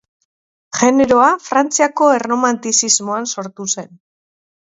Generoa Frantziako Erromantizismoan sortu zen.